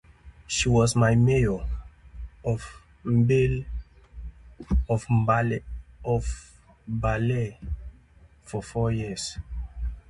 She was Mayor of Mbale for four years.